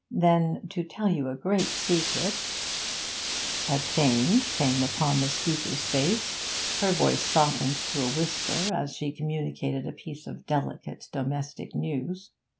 Then, to tell you a great secret ' A change came upon the speaker's face; her voice softened to a whisper as she communicated a piece of delicate domestic news.